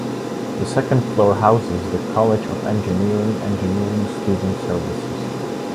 The second floor houses the College of Engineering Engineering Student Services.